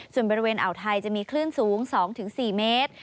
ส่วนบริเวณอ่าวไทยจะมีคลื่นสูง๒๔เมตร